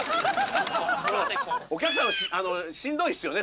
お客さんしんどいっすよね